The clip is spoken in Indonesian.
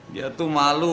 dia tuh malu